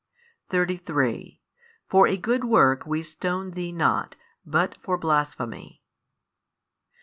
33 For a good work we stone Thee not, but for blasphemy.